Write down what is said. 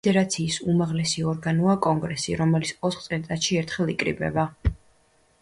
ფედერაციის უმაღლესი ორგანოა კონგრესი, რომელიც ოთხ წელიწადში ერთხელ იკრიბება.